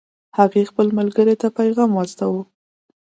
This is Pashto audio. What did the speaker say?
هغې خپل ملګرې ته پیغام واستاوه